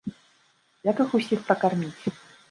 Як іх усіх пракарміць?